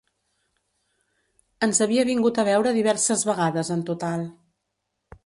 Ens havia vingut a veure diverses vegades en total.